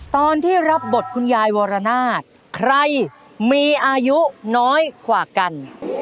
ตอนที่รับบทคุณยายวรนาศใครมีอายุน้อยกว่ากัน